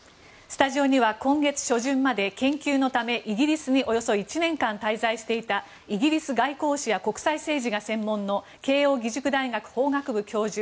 スタジオには今月初旬まで、研究のためイギリスにおよそ１年間滞在していたイギリス外交史や国際政治が専門の慶應義塾大学法学部教授